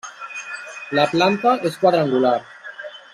La planta és quadrangular.